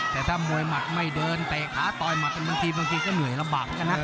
แต่ถ้ามวยมัดไม่เดินเตะขาตอยมาก็เหนื่อยระบากนะ